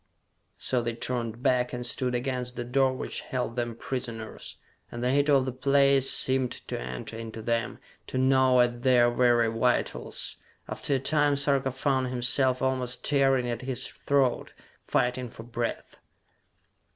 So they turned back, and stood against the door which held them prisoners; and the heat of the place seemed to enter into them, to gnaw at their very vitals. After a time Sarka found himself almost tearing at his throat, fighting for breath.